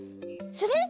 する？